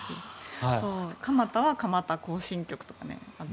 蒲田は「蒲田行進曲」とか。